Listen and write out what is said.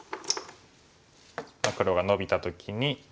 黒がノビた時に。